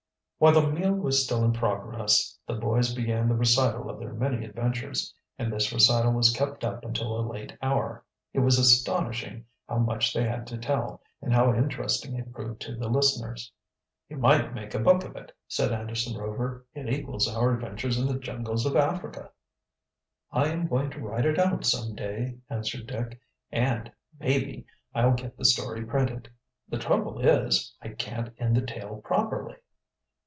While the meal was still in progress the boys began the recital of their many adventures, and this recital was kept up until a late hour. It was astonishing how much they had to tell, and how interesting it proved to the listeners. "You might make a book of it," said Anderson Rover. "It equals our adventures in the jungles of Africa." "I am going to write it out some day," answered Dick. "And, maybe, I'll get the story printed. The trouble is, I can't end the tale properly."